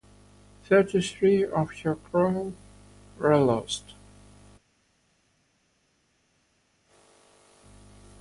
Thirty-three of her crew were lost.